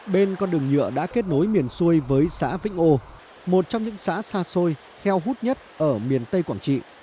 bên con đường nhựa đã kết nối miền xuôi với xã vĩnh âu một trong những xã xa xôi heo hút nhất ở miền tây quảng trị